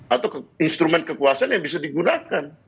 atau instrumen kekuasaan yang bisa digunakan